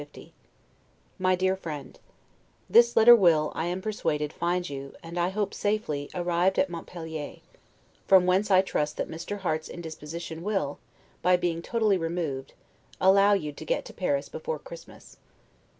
1750 MY DEAR FRIEND: This letter will, I am persuaded, find you, and I hope safely, arrived at Montpelier; from whence I trust that Mr. Harte's indisposition will, by being totally removed, allow you to get to Paris before Christmas.